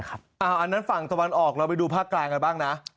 อันนั้นฝั่งตะวันออกเราไปดูภาคกลางกันบ้างนะ